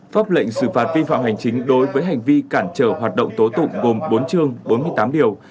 pháp lệnh xử phạt vi phạm hành chính đối với hành vi cản trở hoạt động tố tụng gồm bốn chương bốn mươi tám điều